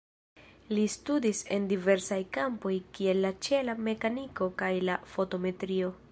Li studis en diversaj kampoj kiel la ĉiela mekaniko kaj la fotometrio.